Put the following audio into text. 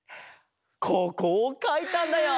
ここをかいたんだよ！